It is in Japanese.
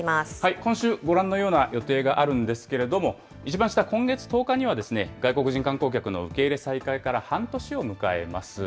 今週、ご覧のような予定があるんですけれども、一番下今月１０日には、外国人観光客の受け入れ再開から半年を迎えます。